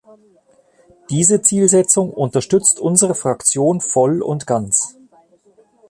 Diese Zielsetzung unterstützt unsere Fraktion voll und ganz.